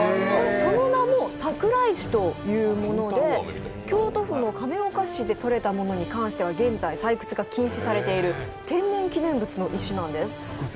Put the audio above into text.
その名も桜石というもので、京都府の亀岡市でとれたものに関しては現在、採掘が禁止されている天然記念物の石なんです。